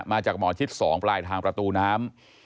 มาจากหมอชิด๒ปลายทางประตูน้ำ